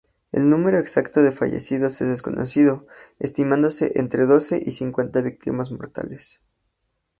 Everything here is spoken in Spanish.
El número exacto de fallecidos es desconocido, estimándose entre doce y cincuenta víctimas mortales.